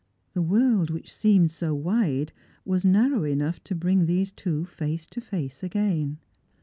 The world which seemed so wide was narrow enough to bring these two face to face again.